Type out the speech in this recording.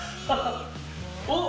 おっ！